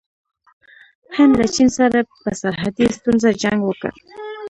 هند له چین سره په سرحدي ستونزه جنګ وکړ.